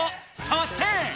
そして！